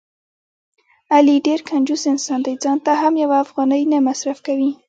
علي ډېر کنجوس انسان دی.ځانته هم یوه افغانۍ نه مصرف کوي.